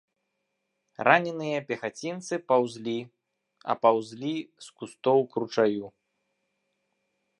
Раненыя пехацінцы паўзлі а паўзлі з кустоў к ручаю.